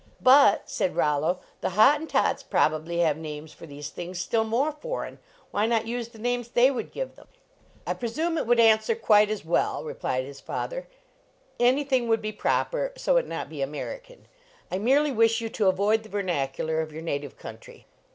" But," said Rollo, " the Hottentots prob ably have names for these things still more foreign. Why not use the names they would give them? " I presume it would answer quite as well, replied his father, "any thing would be proper, so it be not American. I merely wish you to avoid the vernacular of your na tive country."